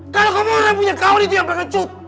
kalo kamu orang punya kawan itu yang pengecut